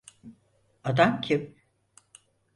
Adam kim?